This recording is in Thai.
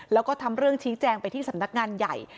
แล้วก็ทำเรื่องชี้แจงไปที่สำนักงานใหญ่